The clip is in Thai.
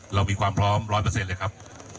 เรามีความพร้อมร้อยเปอร์เซ็นต์เลยครับ